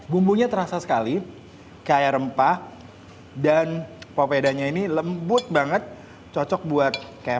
bumbunya terasa sekali kayak rempah dan papedanya ini lembut banget cocok buat kayak